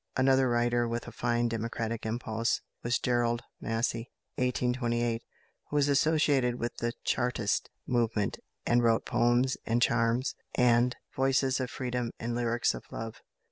Another writer with a fine democratic impulse was =Gerald Massey (1828 )=, who was associated with the Chartist movement, and wrote "Poems and Charms" and "Voices of Freedom and Lyrics of Love."